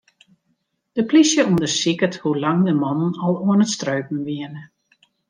De plysje ûndersiket hoe lang de mannen al oan it streupen wiene.